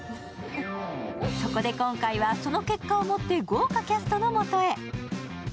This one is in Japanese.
そこで今回は、その結果を持って豪華キャストの元へ。